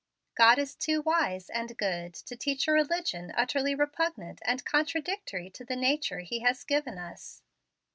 God is too wise and good to teach a religion utterly repugnant and contradictory to the nature He has given us.